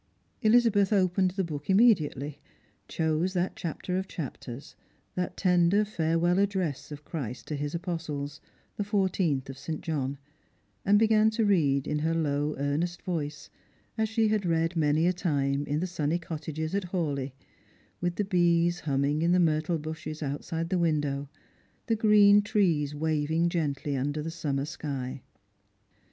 Elizabeth opened the book immediately, chose that chapter of chapters, that tender farewell address of Christ to his Apostles, the fourteenth of St. John, and began to read in her low earnest voice, as she had read many a time in the sunny cottages at Hawleigh, with the bees humming in the mvrtle bushea outside the window, the green trees waving gently under the summer sky.